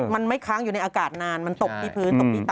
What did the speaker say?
มันไม่ค้างอยู่ในอากาศนานมันตกที่พื้นตกที่ตา